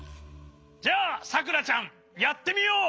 じゃあさくらちゃんやってみよう！